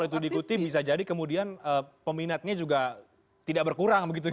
dan kalau itu diikuti bisa jadi kemudian peminatnya juga tidak berkurang begitu